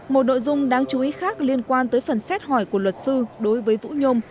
một nội dung đáng chú ý khác liên quan tới phần xét hỏi của luật sư đối với vũ nhôm